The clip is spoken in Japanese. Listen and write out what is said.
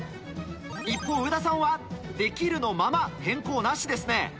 一方上田さんは「できる」のまま変更なしですね